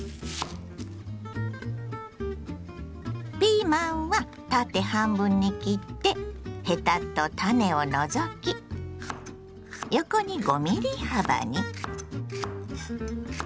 ピーマンは縦半分に切ってヘタと種を除き横に５ｍｍ幅に。